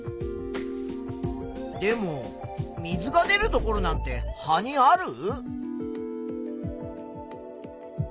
でも水が出るところなんて葉にある？